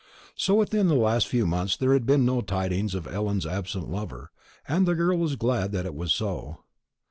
So within the last few months there had been no tidings of Ellen's absent lover, and the girl was glad that it was so.